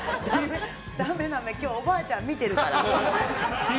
だめだめ、今日おばあちゃん見てるから。